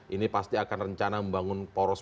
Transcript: ini pasti akan rencana membangun poros